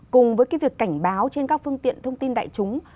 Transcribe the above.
cùng với việc cảnh báo trên các phương tiện thông tin đại chúng